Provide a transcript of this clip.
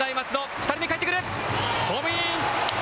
２人目かえってくる、ホームイン。